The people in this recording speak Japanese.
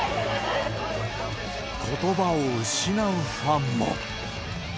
ことばを失うファンも。